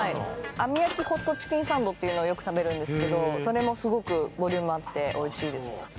あみ焼きチキンホットサンドっていうのをよく食べるんですけどそれもスゴくボリュームあっておいしいです